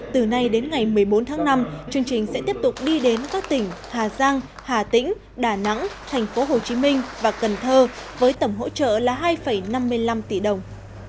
từ nay đến ngày một mươi bốn tháng năm chương trình sẽ tiếp tục đi đến các tỉnh hà giang hà tĩnh đà nẵng tp hcm và cần thơ với tổng hỗ trợ là hai năm mươi năm tỷ đồng